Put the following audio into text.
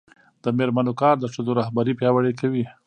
د میرمنو کار د ښځو رهبري پیاوړې کوي.